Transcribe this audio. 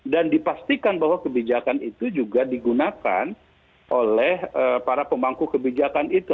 dan dipastikan bahwa kebijakan itu juga digunakan oleh para pemangku kebijakan itu